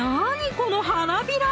この花びら！